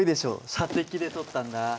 射的で取ったんだ。